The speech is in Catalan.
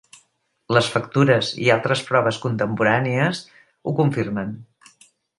Les factures i altres proves contemporànies ho confirmen.